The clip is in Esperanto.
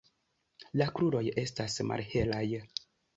La kruroj estas malhelaj.